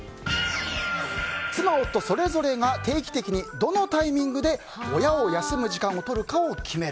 妻・夫それぞれが定期的にどのタイミングで親を休む時間をとるか決める。